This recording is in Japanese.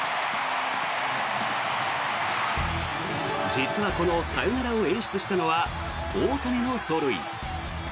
実はこのサヨナラを演出したのは大谷の走塁。